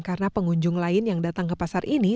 karena pengunjung lain yang datang ke pasar ini